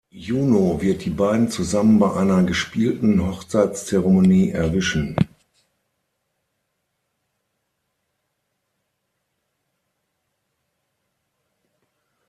Juno wird die beiden zusammen bei einer gespielten Hochzeitszeremonie erwischen.